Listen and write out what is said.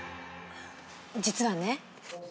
実はね。